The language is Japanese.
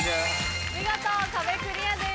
見事壁クリアです。